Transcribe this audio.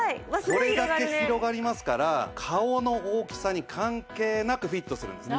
これだけ広がりますから顔の大きさに関係なくフィットするんです。